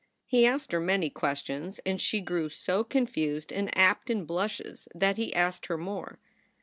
He asked her many questions, and she grew so con fused and apt in blushes that he asked her more.